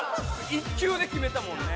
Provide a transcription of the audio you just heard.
１球できめたもんね。